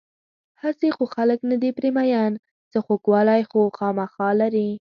هسې خو خلک نه دي پرې مین، څه خوږوالی خو خوامخا لري.